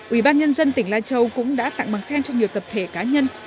ủy ban nhân dân tỉnh lai châu cũng đã tặng bằng khen cho nhiều tập thể cá nhân